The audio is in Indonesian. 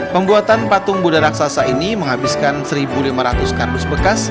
pembuatan patung budd raksasa ini menghabiskan satu lima ratus kardus bekas